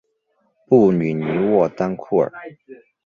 布吕尼沃当库尔。